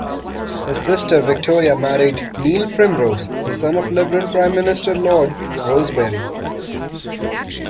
His sister Victoria married Neil Primrose, the son of Liberal Prime Minister Lord Rosebery.